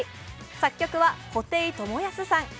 作曲は布袋寅泰さん。